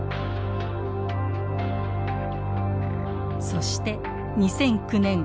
そして２００９年。